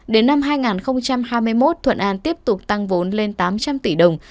đến năm hai nghìn hai mươi một thuận an tiếp tục tăng vốn lên tám trăm linh tỷ đồng